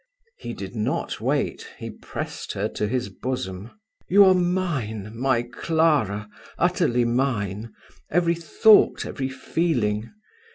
He did not wait. He pressed her to his bosom. "You are mine, my Clara utterly mine; every thought, every feeling.